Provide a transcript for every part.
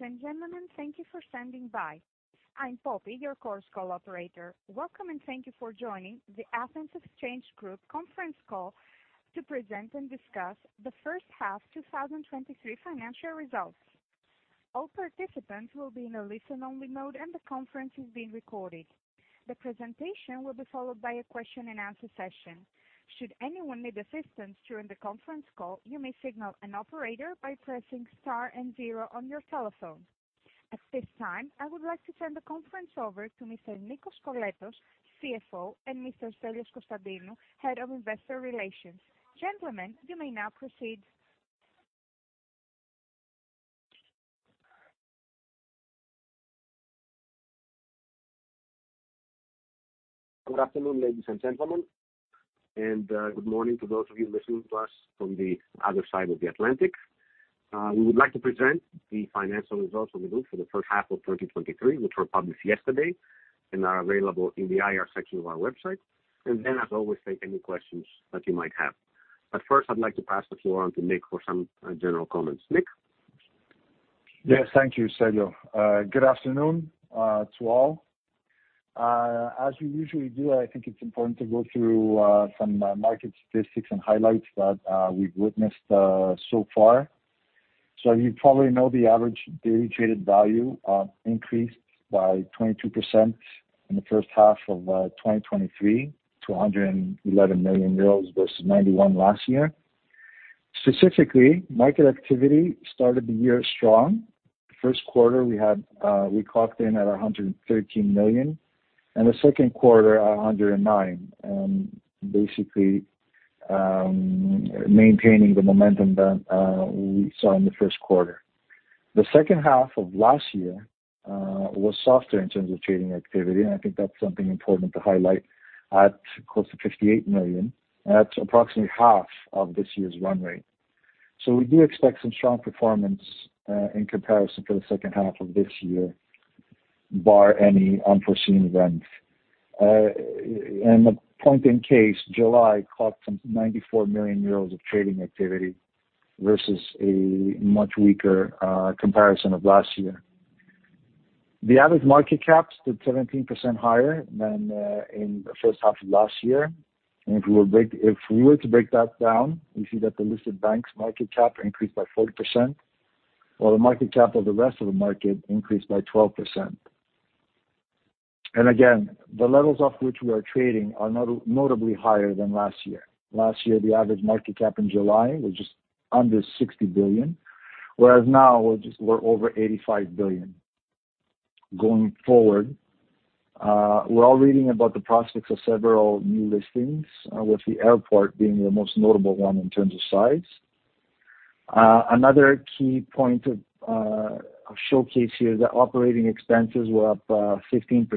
Ladies and gentlemen, thank you for standing by. I'm Poppy, your conference call operator. Welcome, thank you for joining the Athens Exchange Group conference call to present and discuss the first half, 2023 financial results. All participants will be in a listen-only mode, the conference is being recorded. The presentation will be followed by a question and answer session. Should anyone need assistance during the conference call, you may signal an operator by pressing Star and zero on your telephone. At this time, I would like to turn the conference over to Mr. Nikolaos Koskoletos, CFO, and Mr. Stelios Konstantinou, Head of Investor Relations. Gentlemen, you may now proceed. Good afternoon, ladies and gentlemen, and good morning to those of you listening to us from the other side of the Atlantic. We would like to present the financial results of the group for the first half of 2023, which were published yesterday and are available in the IR section of our website, and then, as always, take any questions that you might have. First, I'd like to pass the floor on to Nick for some general comments. Nick? Yes, thank you, Stelios. Good afternoon to all. As we usually do, I think it's important to go through some market statistics and highlights that we've witnessed so far. You probably know the average daily traded value increased by 22% in the first half of 2023 to 111 million euros versus 91 million last year. Specifically, market activity started the year strong. First quarter, we had, we clocked in at 113 million, and the second quarter, 109 million, basically maintaining the momentum that we saw in the first quarter. The second half of last year was softer in terms of trading activity, and I think that's something important to highlight, at close to 58 million, and that's approximately half of this year's run rate. We do expect some strong performance in comparison to the second half of this year, bar any unforeseen events. The point in case, July clocked some 94 million euros of trading activity versus a much weaker comparison of last year. The average market cap stood 17% higher than in the first half of last year, and if we were break, if we were to break that down, we see that the listed banks market cap increased by 40%, while the market cap of the rest of the market increased by 12%. Again, the levels of which we are trading are not- notably higher than last year. Last year, the average market cap in July was just under 60 billion, whereas now we're just we're over 85 billion. Going forward, we're all reading about the prospects of several new listings, with the airport being the most notable one in terms of size. Another key point of showcase here is that operating expenses were up 15%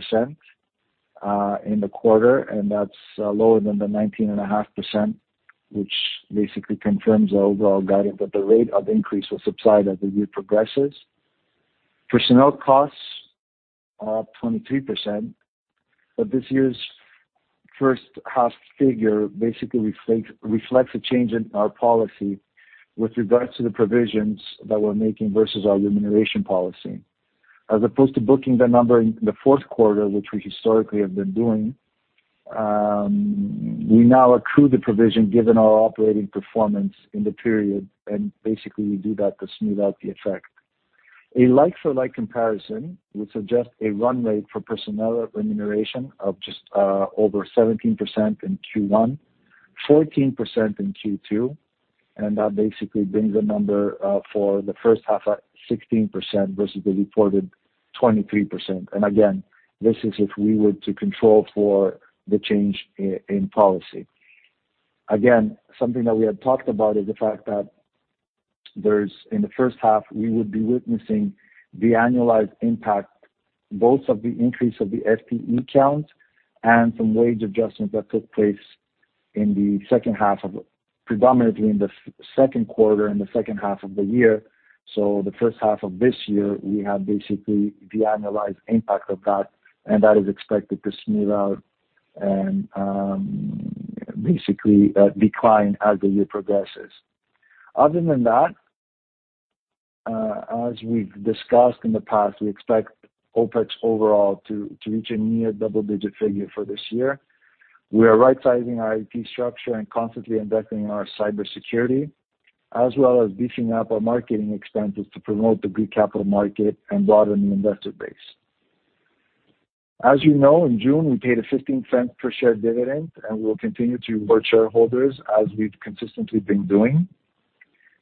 in the quarter, and that's lower than the 19.5%, which basically confirms our overall guidance, that the rate of increase will subside as the year progresses. Personnel costs are up 23%, but this year's first half figure basically reflects a change in our policy with regards to the provisions that we're making versus our remuneration policy. As opposed to booking the number in the fourth quarter, which we historically have been doing, we now accrue the provision given our operating performance in the period, and basically we do that to smooth out the effect. A like-for-like comparison would suggest a run rate for personnel remuneration of just over 17% in Q1, 14% in Q2, that basically brings the number for the first half at 16% versus the reported 23%. Again, this is if we were to control for the change in policy. Again, something that we had talked about is the fact that there's, in the first half, we would be witnessing the annualized impact, both of the increase of the FTE count and some wage adjustments that took place in the second half of predominantly in the second quarter and the second half of the year. The first half of this year, we have basically the annualized impact of that, and that is expected to smooth out and basically decline as the year progresses. Other than that, as we've discussed in the past, we expect OpEx overall to, to reach a near double-digit figure for this year. We are right sizing our IT structure and constantly investing in our cybersecurity, as well as beefing up our marketing expenses to promote the Greek Capital Market and broaden the investor base. As you know, in June, we paid a 0.15 per share dividend, and we will continue to reward shareholders, as we've consistently been doing.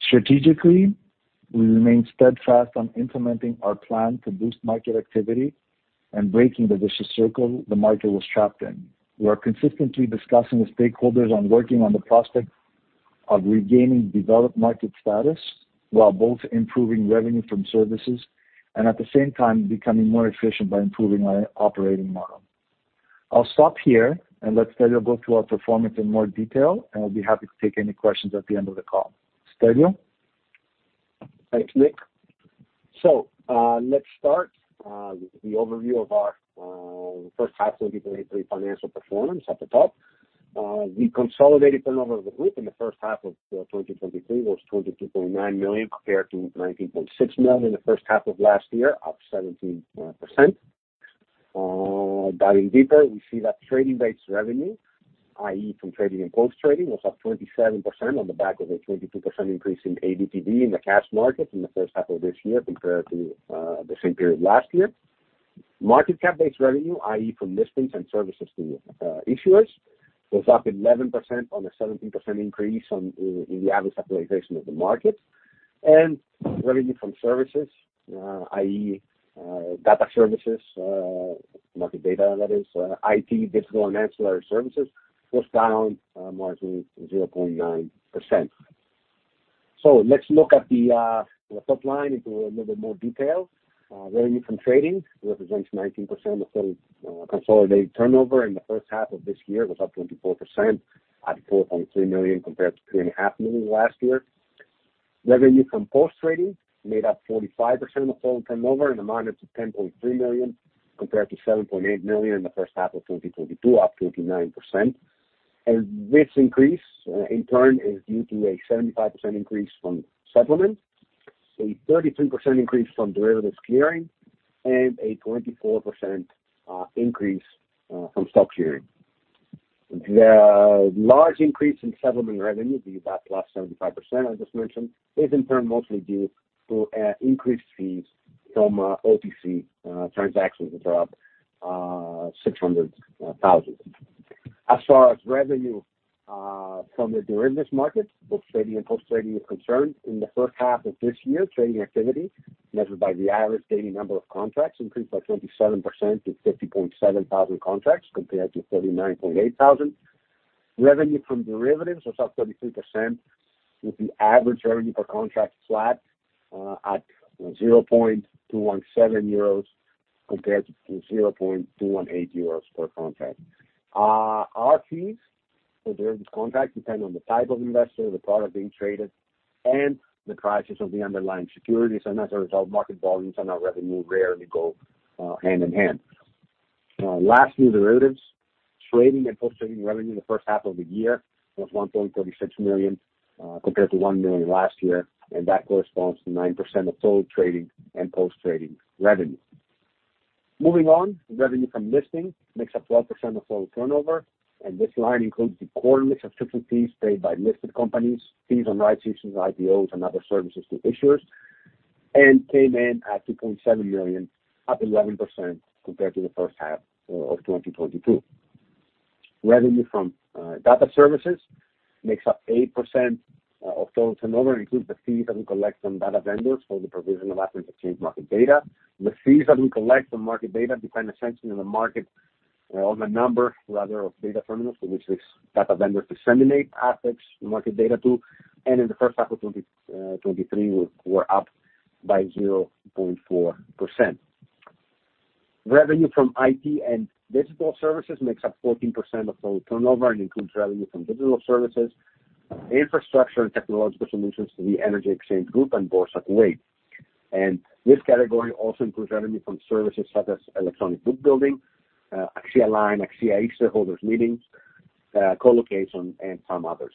Strategically, we remain steadfast on implementing our plan to boost market activity and breaking the vicious circle the market was trapped in. We are consistently discussing with stakeholders on working on the prospect of regaining developed market status, while both improving revenue from services and, at the same time, becoming more efficient by improving our operating model. I'll stop here and let Stelios go through our performance in more detail, and I'll be happy to take any questions at the end of the call. Stelios? Thanks, Nick. Let's start with the overview of our first half 2023 financial performance at the top. The consolidated turnover of the group in the first half of 2023 was 22.9 million, compared to 19.6 million in the first half of last year, up 17%. Diving deeper, we see that trading-based revenue, i.e., from trading and post-trading, was up 27% on the back of a 22% increase in ADTV in the cash market in the first half of this year, compared to the same period last year. Market cap-based revenue, i.e., from listings and services to issuers, was up 11% on a 17% increase in the average capitalization of the market. Revenue from services, i.e., data services, market data, that is, IT, digital and ancillary services, was down marginally 0.9%. Let's look at the top line into a little bit more detail. Revenue from trading represents 19% of total consolidated turnover, in the first half of this year, was up 24% at 4.3 million, compared to 3.5 million last year. Revenue from post-trading made up 45% of total turnover in amount of 10.3 million, compared to 7.8 million in the first half of 2022, up 29%. This increase, in turn, is due to a 75% increase from settlement, a 33% increase from derivatives clearing, and a 24% increase from stock lending. The large increase in settlement revenue, the about +75% I just mentioned, is in turn mostly due to increased fees from OTC transactions, which are up 600,000. As far as revenue from the derivatives market, both trading and post-trading is concerned, in the first half of this year, trading activity, measured by the average daily number of contracts, increased by 27% to 50.7 thousand contracts, compared to 39.8 thousand. Revenue from derivatives was up 33%, with the average revenue per contract flat at 0.217 euros, compared to 0.218 euros per contract. Our fees for derivatives contracts depend on the type of investor, the product being traded, and the prices of the underlying securities, and as a result, market volumes and our revenue rarely go hand in hand. Lastly, derivatives, trading and post-trading revenue in the first half of the year was 1.36 million compared to 1 million last year, and that corresponds to 9% of total trading and post-trading revenue. Moving on, revenue from listing makes up 12% of total turnover, and this line includes the quarterly subscription fees paid by listed companies, fees on rights issues, IPOs and other services to issuers, and came in at 2.7 million, up 11% compared to the first half of 2022. Revenue from data services makes up 8% of total turnover, includes the fees that we collect from data vendors for the provision of Athens Exchange market data. The fees that we collect from market data depend essentially on the market, on the number, rather, of data terminals to which these data vendors disseminate assets market data to. In the first half of 2023, we're up by 0.4%. Revenue from IT and digital services makes up 14% of total turnover and includes revenue from digital services, infrastructure and technological solutions to the Hellenic Energy Exchange and Boursa Kuwait. This category also includes revenue from services such as electronic book building, AxiaLine, AXIA e-Shareholders' Meeting, colocation, and some others.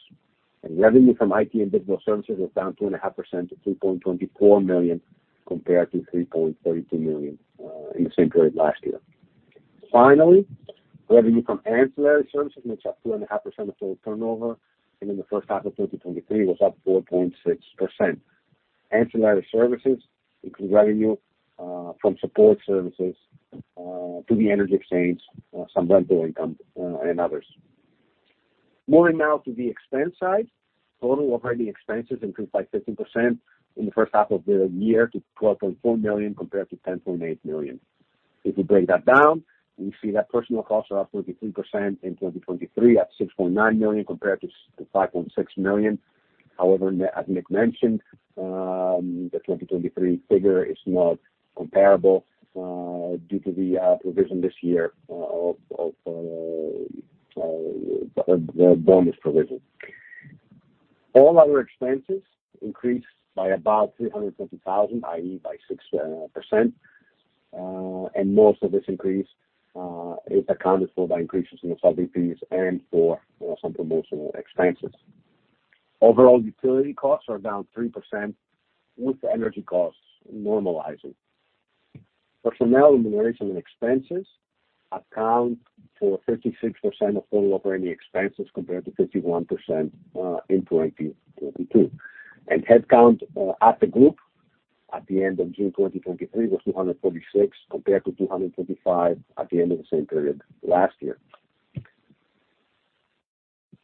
Revenue from IT and digital services was down 2.5% to 3.24 million, compared to 3.32 million in the same period last year. Finally, revenue from ancillary services, which are 2.5% of total turnover, and in the first half of 2023 was up 4.6%. Ancillary services includes revenue from support services to the Hellenic Energy Exchange, some rental income, and others. Moving now to the expense side. Total operating expenses increased by 13% in the first half of the year to 12.4 million, compared to 10.8 million. If we break that down, we see that personal costs are up 33% in 2023 at 6.9 million, compared to 5.6 million. However, as Nick mentioned, the 2023 figure is not comparable due to the provision this year of the bonus provision. All our expenses increased by about 320,000, i.e., by 6%, and most of this increase is accounted for by increases in the salaries and for some promotional expenses. Overall, utility costs are down 3%, with energy costs normalizing. Personnel remuneration and expenses account for 56% of total operating expenses, compared to 51% in 2022. Headcount at the group at the end of June 2023 was 246, compared to 225 at the end of the same period last year.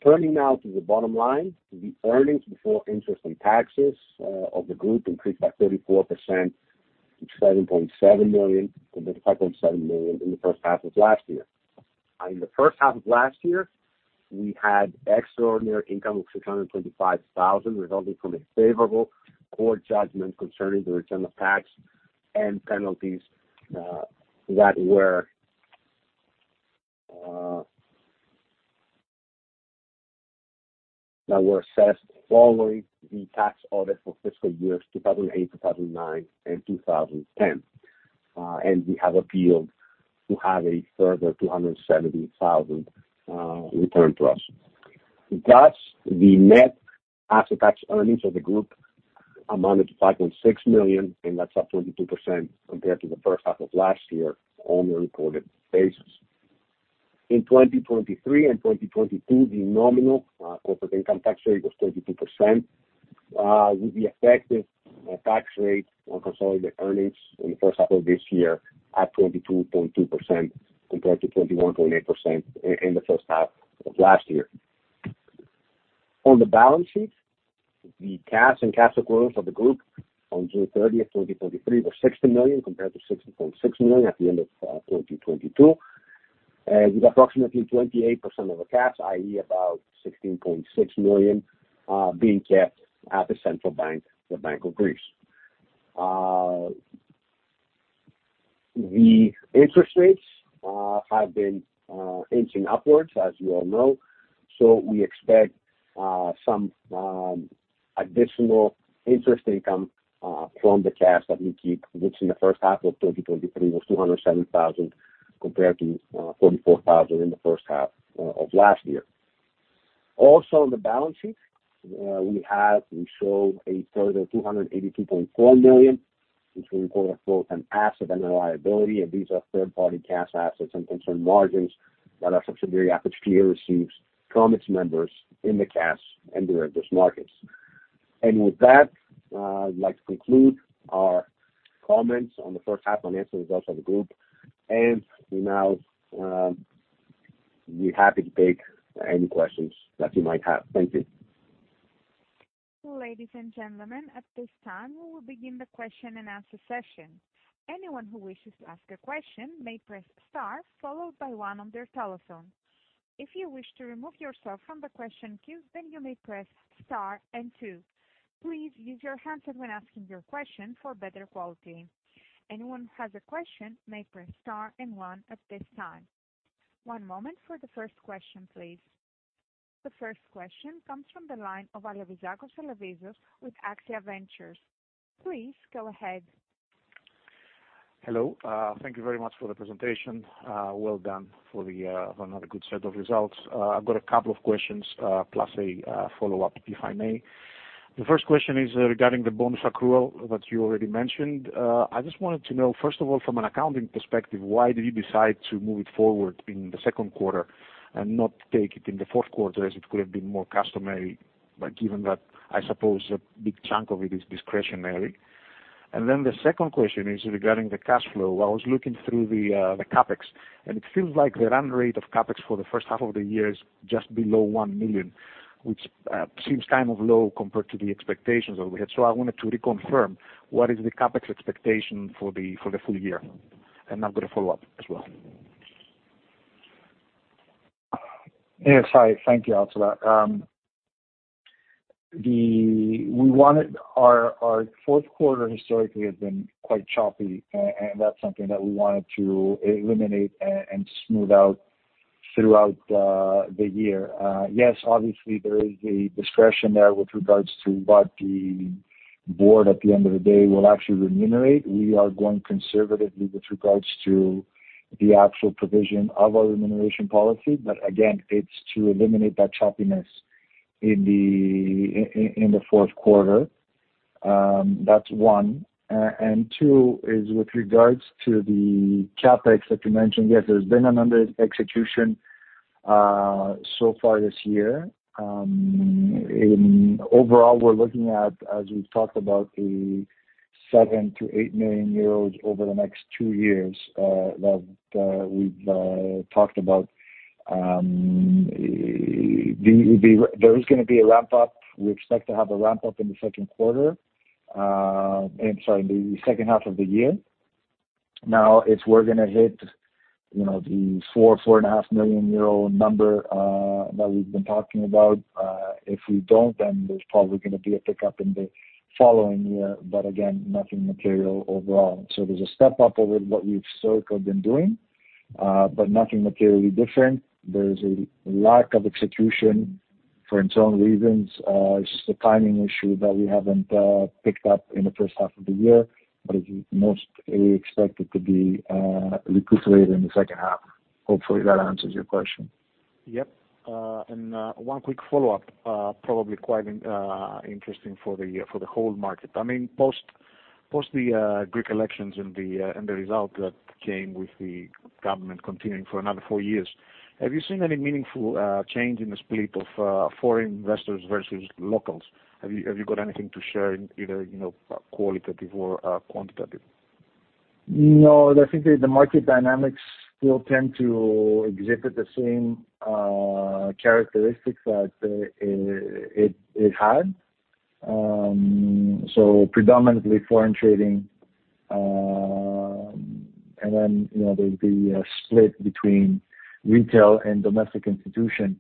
Turning now to the bottom line, the earnings before interest and taxes of the group increased by 34% to 7.7 million, compared to 5.7 million in the first half of last year. In the first half of last year, we had extraordinary income of 625,000, resulting from a favorable court judgment concerning the return of tax and penalties that were. That were assessed following the tax audit for fiscal years 2008, 2009, and 2010. We have appealed to have a further 270,000 returned to us. Thus, the net after-tax earnings of the group amounted to 5.6 million, and that's up 22% compared to the first half of last year on a reported basis. In 2023 and 2022, the nominal corporate income tax rate was 32%, with the effective tax rate on consolidated earnings in the first half of this year at 22.2%, compared to 21.8% in the first half of last year. On the balance sheet, the cash and cash equivalents of the group on June 30th, 2023, were 60 million, compared to 60.6 million at the end of 2022. With approximately 28% of the cash, i.e., about 16.6 million, being kept at the central bank, the Bank of Greece. The interest rates have been inching upwards, as you all know. We expect some additional interest income from the cash that we keep, which in the first half of 2023 was 207,000, compared to 44,000 in the first half of last year. Also, on the balance sheet, we show a further 282.4 million, which we call both an asset and a liability, and these are third-party cash assets and concern margins that our subsidiary, ATHEXClear, receives from its members in the cash and derivatives markets. With that, I'd like to conclude our comments on the first half on answer results of the group. We nowbe happy to take any questions that you might have. Thank you. Ladies and gentlemen, at this time, we will begin the question-and-answer session. Anyone who wishes to ask a question may press star, followed by one on their telephone. If you wish to remove yourself from the question queue, you may press star and two. Please use your handset when asking your question for better quality. Anyone who has a question may press star and 1 at this time. One moment for the first question, please. The first question comes from the line of Eleftherios Alevizakos with AXIA Ventures.Please go ahead. Hello. Thank you very much for the presentation. Well done for another good set of results. I've got a couple of questions, plus a follow-up, if I may. The first question is regarding the bonus accrual that you already mentioned. I just wanted to know, first of all, from an accounting perspective, why did you decide to move it forward in the second quarter and not take it in the fourth quarter, as it could have been more customary, but given that, I suppose a big chunk of it is discretionary? The second question is regarding the cash flow. I was looking through the CapEx, and it seems like the run rate of CapEx for the first half of the year is just below 1 million, which seems kind of low compared to the expectations that we had. I wanted to reconfirm, what is the CapEx expectation for the full year? I'm gonna follow up as well. Yes, hi. Thank you. Our fourth quarter historically has been quite choppy, and that's something that we wanted to eliminate and smooth out throughout the year. Yes, obviously, there is a discretion there with regards to what the board, at the end of the day, will actually remunerate. We are going conservatively with regards to the actual provision of our remuneration policy, again, it's to eliminate that choppiness in the fourth quarter. That's one. Two is with regards to the CapEx that you mentioned. Yes, there's been another execution so far this year. Overall, we're looking at, as we've talked about, 7 million-8 million euros over the next two years that we've talked about. There is gonna be a ramp up. We expect to have a ramp up in the second quarter, I'm sorry, in the second half of the year. If we're gonna hit, you know, the 4 million-4.5 million euro number that we've been talking about, if we don't, then there's probably gonna be a pickup in the following year, but again, nothing material overall. There's a step up over what we've so been doing, but nothing materially different. There's a lack of execution for its own reasons. It's just a timing issue that we haven't picked up in the first half of the year, but it most, we expect it to be recuperated in the second half. Hopefully, that answers your question. Yep. One quick follow-up, probably quite interesting for the whole market. I mean, post, post the Greek elections and the result that came with the government continuing for another four years, have you seen any meaningful change in the split of foreign investors versus locals? Have you, have you got anything to share in either, you know, qualitative or quantitative? No, I think the, the market dynamics still tend to exhibit the same characteristics that it had. Predominantly foreign trading, and then, you know, there's the split between retail and domestic institution.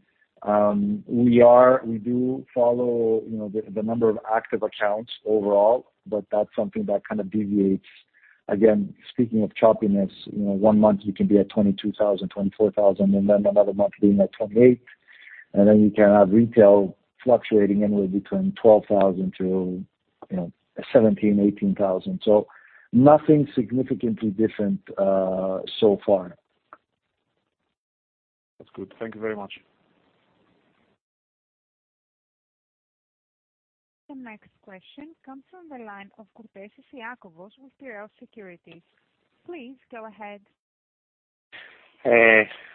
We do follow, you know, the number of active accounts overall, but that's something that kind of deviates. Again, speaking of choppiness, you know, one month you can be at 22,000, 24,000, and then another month being at 28, and then you can have retail fluctuating anywhere between 12,000 to, you know, 17,000-18,000. Nothing significantly different so far. That's good. Thank you very much. The next question comes from the line of Iakovos Kourtesis with Piraeus Securities. Please go ahead.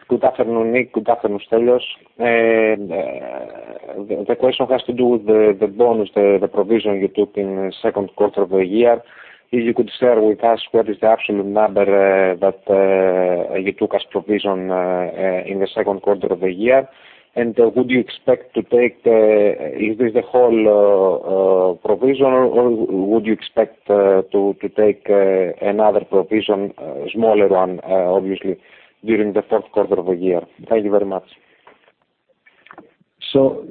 Good afternoon, Nick. Good afternoon, Stelios. The question has to do with the bonus, the provision you took in the second quarter of the year. If you could share with us what is the absolute number that you took as provision in the second quarter of the year? Would you expect to take, is this the whole provision, or would you expect to take another provision, smaller one, obviously, during the fourth quarter of the year? Thank you very much.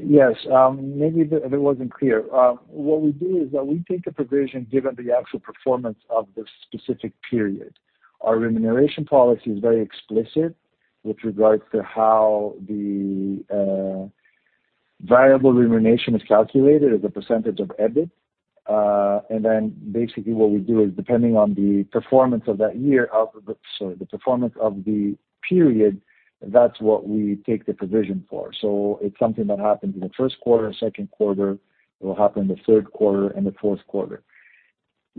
Yes, maybe if it wasn't clear. What we do is that we take a provision given the actual performance of the specific period. Our remuneration policy is very explicit with regards to how the variable remuneration is calculated as a percentage of EBIT. Basically what we do is, depending on the performance of that year, sorry, the performance of the period, that's what we take the provision for. It's something that happens in the first quarter, second quarter, it will happen in the third quarter and the fourth quarter.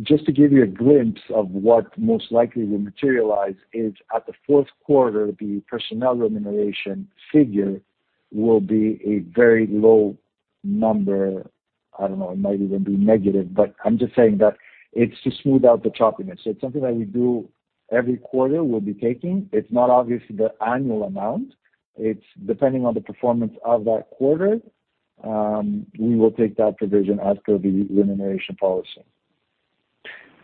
Just to give you a glimpse of what most likely will materialize is, at the fourth quarter, the personnel remuneration figure will be a very low number. I don't know, it might even be negative. I'm just saying that it's to smooth out the choppiness. It's something that we do every quarter, we'll be taking. It's not obviously the annual amount. It's depending on the performance of that quarter, we will take that provision as per the remuneration policy. You are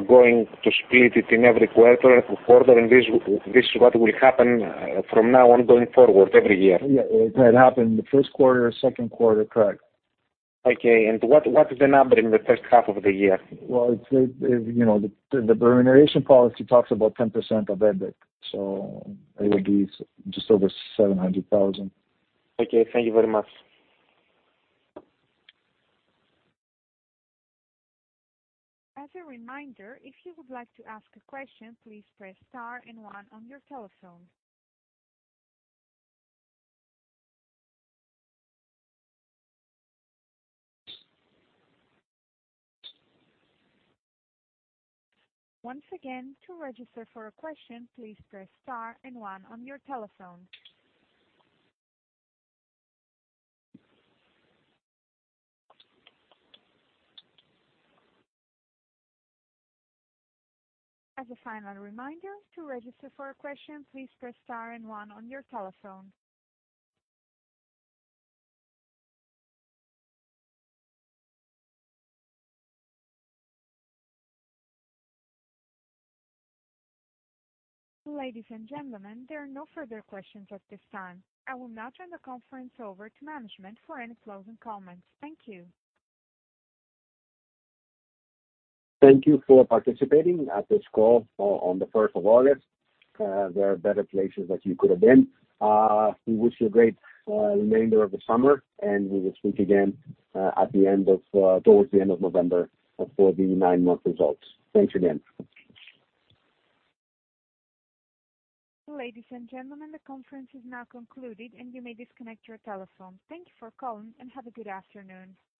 going to split it in every quarter, and this, this is what will happen from now on, going forward every year? Yeah. It happened in the first quarter, second quarter, correct? Okay. What is the number in the first half of the year? Well, it's, it, you know, the, the remuneration policy talks about 10% of EBIT, so it will be just over 700,000. Okay. Thank you very much. As a reminder, if you would like to ask a question, please press star and one on your telephone. Once again, to register for a question, please press star and one on your telephone. As a final reminder, to register for a question, please press star and one on your telephone. Ladies and gentlemen, there are no further questions at this time. I will now turn the conference over to management for any closing comments. Thank you. Thank you for participating at this call on the first of August. There are better places that you could have been. We wish you a great remainder of the summer, and we will speak again at the end of towards the end of November for the nine-month results. Thanks again. Ladies and gentlemen, the conference is now concluded, and you may disconnect your telephone. Thank you for calling, and have a good afternoon.